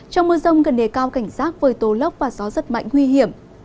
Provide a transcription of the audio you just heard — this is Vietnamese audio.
trong mưa rông gần đề cao cảnh rác với tố lóc và gió rất mạnh nguy hiểm